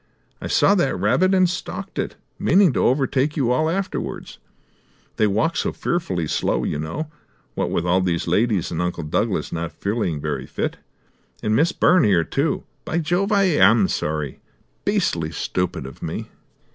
I saw that rabbit and stalked it, meaning to overtake you all afterwards. They walk so fearfully slow, you know, what with all these ladies, and Uncle Douglas not feeling very fit. And Miss Byrne here, too! By Jove, I am sorry! Beastly stupid of me."